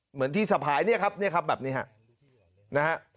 เหมือนที่สะพายเนี่ยครับเนี่ยครับแบบนี้ฮะนะฮะ